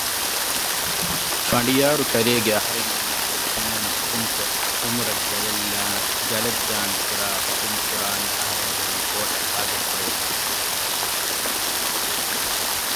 ފަނޑިޔާރުކަލޭނގެ އަހަރެންގެ މައްޗަށް ތިން ވަނަ ޙުކުމްކޮށް ޢުމުރަށް ޖަލަށްދާން ކުރާ ޙުކުމުކުރާން އަހަރެން ހުރީ ކޯޓަށް ޙާޟިރުކުރެވިފަ